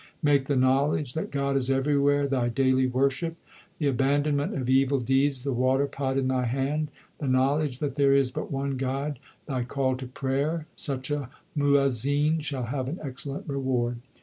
Make the knowledge that God is everywhere thy daily worship ; The abandonment of evil deeds the water pot in thy hand ; The knowledge that there is but one God thy call to prayer ; such a Muazzin shall have an excellent reward.